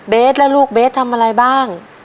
แล้วลูกเบสทำอะไรบ้าง